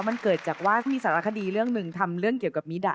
มันเกิดจากว่ามีสารคดีเรื่องหนึ่งทำเรื่องเกี่ยวกับมีดะ